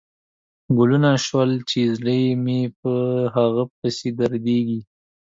کلونه شول چې زړه مې په هغه پسې درزیږي